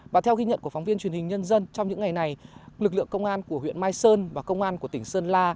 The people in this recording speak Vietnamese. và theo ghi nhận của phóng viên truyền hình nhân dân trong những ngày này lực lượng công an của huyện mai sơn và công an của tỉnh sơn la